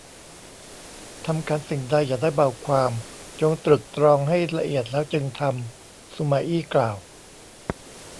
ทำการสิ่งใดอย่าได้เบาความ จงตรึกตรองให้ละเอียดแล้วจึงทำ สุมาอี้กล่าว